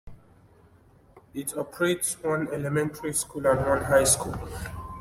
It operates one elementary school and one high school.